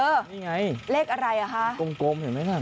นี่ไงเลขอะไรเหรอค่ะกลมเห็นไหมครับ